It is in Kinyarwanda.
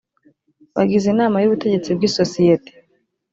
bagize inama y ubutegetsi bw isosiyete